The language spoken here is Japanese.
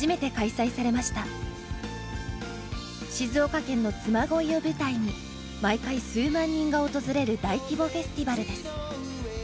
静岡県のつま恋を舞台に毎回数万人が訪れる大規模フェスティバルです。